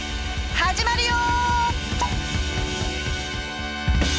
始まるよ！